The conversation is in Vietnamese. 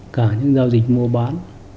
cả những giao dịch mua bán